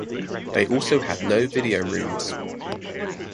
They also had no video rooms.